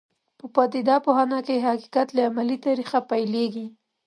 په پدیده پوهنه کې حقیقت له عملي تاریخ پیلېږي.